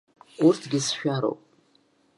Урҭгьы сшәароуп.